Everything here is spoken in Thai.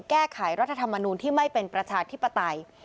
แก้ไขรัฐธรรมนูลที่ไม่เป็นประชาธิปไตย